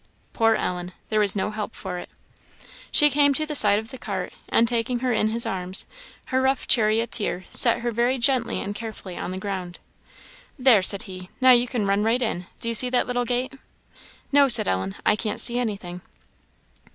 Poor Ellen! There was no help for it. She came to the side of the cart, and, taking her in his arms, her rough charioteer set her very gently and carefully on the ground. "There!" said he, "now you can run right in; do you see that little gate?" "No," said Ellen, "I can't see anything."